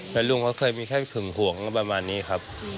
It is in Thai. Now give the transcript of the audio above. แล้วลุงก็เคยมีแค่ขึงห่วงประมาณนี้ครับ